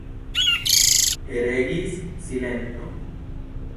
Regis silento.